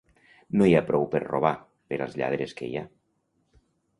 No hi ha prou per robar, per als lladres que hi ha.